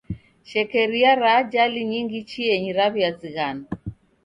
Shekeria ra ajali nyingi chienyi raw'iazighanwa.